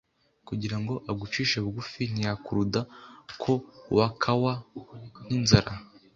kugira ngo agucishe bugufi, ntiyakuruda ko wkwa n'inzara,